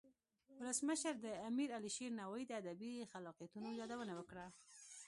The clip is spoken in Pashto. ولسمشر د امیر علي شیر نوایی د ادبی خلاقیتونو یادونه وکړه.